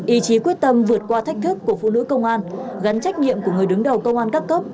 ý chí quyết tâm vượt qua thách thức của phụ nữ công an gắn trách nhiệm của người đứng đầu công an các cấp